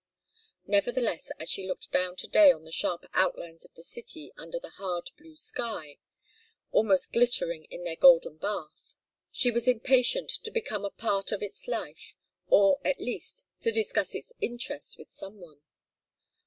Nevertheless, as she looked down to day on the sharp outlines of the city under the hard blue sky, almost glittering in their golden bath, she was impatient to become a part of its life, or at least to discuss its interests with some one.